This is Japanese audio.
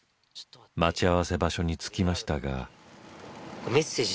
待ち合わせ場所に着きましたが。